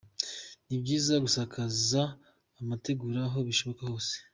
Ni byiza gusakaza amategura, aho bishoboka hose;.